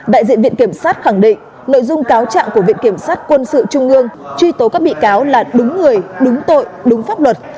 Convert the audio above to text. đại diện viện kiểm sát khẳng định nội dung cáo trạng của viện kiểm sát quân sự trung ương truy tố các bị cáo là đúng người đúng tội đúng pháp luật